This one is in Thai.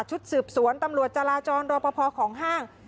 ชุดสืบสวนตำรวจจราจรรอปภของห้าง